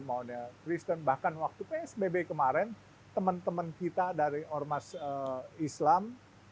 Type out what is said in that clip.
model kristen bahkan waktu psbb kemarin teman teman kita dari ormas islam